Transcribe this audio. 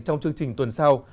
trong chương trình tuần sau